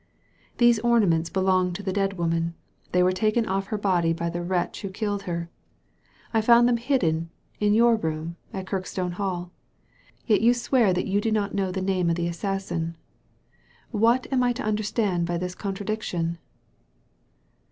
"These ornaments belonged to the dead woman; they were taken off her body by the wretch who killed her. I found Digitized by Google PROOF POSITIVE 249 them hidden in your room at Kirkstone Hall; yet you swear that you do not know the name of the assassin. What am I to understand by this con tradiction